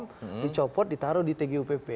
dicopot ditaruh di tgupp